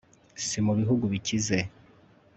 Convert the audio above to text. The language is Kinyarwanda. si mu bihugu bikize